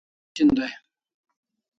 Emi kia phuchin dai?